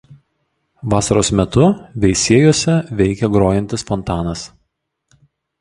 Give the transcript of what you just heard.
Vasaros metu Veisiejuose veikia grojantis fontanas.